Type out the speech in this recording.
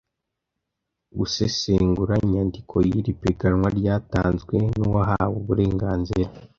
gusesengura inyandiko yiri piganwa rwatanzwe n’uwahawe uburenganzira.